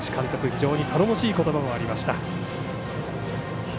非常に頼もしい言葉がありました。